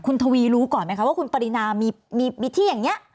คุณทวีรู้ก่อนไหมคะว่าคุณปรินามีที่อย่างนี้